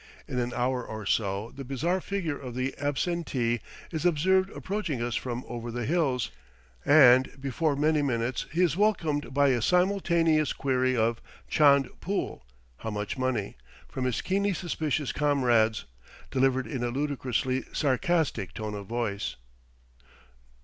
In an hour or so the bizarre figure of the absentee is observed approaching us from over the hills, and before many minutes he is welcomed by a simultaneous query of "chand pool?" (how much money?) from his keenly suspicious comrades, delivered in a ludicrously sarcastic tone of voice.